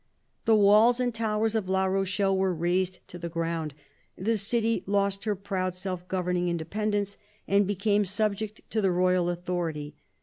The walls and towers of La Rochelle were razed to the ground ; the city lost her proud self governing independence, and became subject to the royal authority.